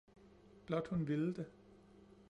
Blot hun vilde det.